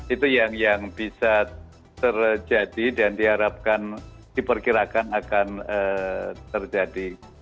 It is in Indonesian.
itu yang bisa terjadi dan diharapkan diperkirakan akan terjadi